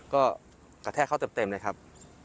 ก็กระแทกเขาเต็มเลยครับ